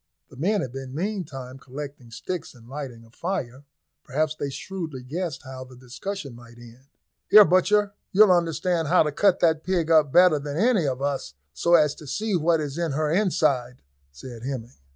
The men had been meantime collecting sticks and lighting a fire: perhaps they shrewdly guessed how the discussion might end. "Here, butcher, you'll understand how to cut that pig up better than any of us, so as to see what is in her inside," said Hemming.